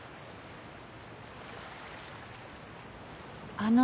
あの。